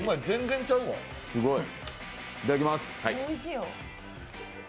いただきます。